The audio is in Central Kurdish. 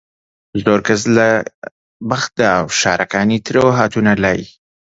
زۆر کەس لە بەغدا و شارەکانی ترەوە هاتوونە لای